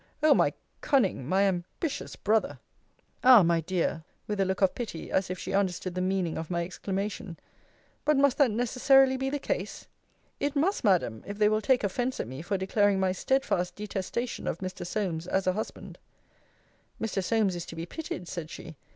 O my cunning, my ambitious brother! Ah, my dear! with a look of pity, as if she understood the meaning of my exclamation But must that necessarily be the case? It must, Madam, if they will take offence at me for declaring my steadfast detestation of Mr. Solmes, as a husband. Mr. Solmes is to be pitied, said she.